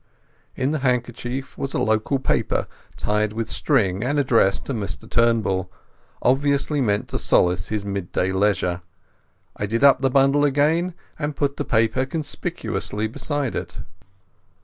In the handkerchief was a local paper tied with string and addressed to Mr Turnbull—obviously meant to solace his midday leisure. I did up the bundle again, and put the paper conspicuously beside it.